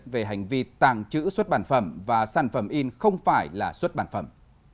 về hành vi tàng trữ xuất bản phẩm và sản phẩm in không phải là xuất bản phẩm